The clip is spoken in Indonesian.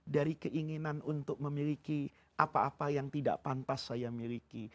dari keinginan untuk memiliki apa apa yang tidak pantas saya miliki